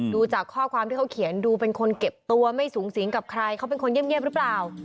ดูจากข้อความที่เขาเขียนดูเป็นคนเก็บตัวไม่สูงสิงกับใครเขาเป็นคนเงียบหรือเปล่า